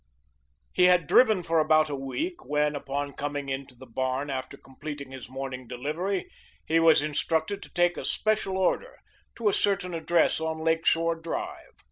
He had driven for about a week when, upon coming into the barn after completing his morning delivery, he was instructed to take a special order to a certain address on Lake Shore Drive.